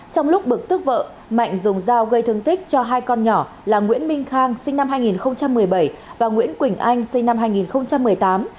trong lúc bực tức vợ mạnh dùng dao gây thương tích cho hai con nhỏ là nguyễn minh khang sinh năm hai nghìn một mươi bảy và nguyễn quỳnh anh sinh năm hai nghìn một mươi tám